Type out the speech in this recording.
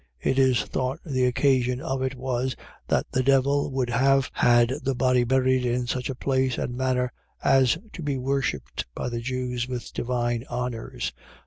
It is thought the occasion of it was, that the devil would have had the body buried in such a place and manner, as to be worshipped by the Jews with divine honours.